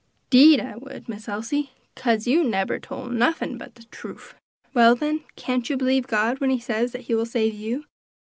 "'Deed I would, Miss Elsie, kase you nebber tole nuffin but de truff." "Well, then, can't you believe God when he says that he will save you?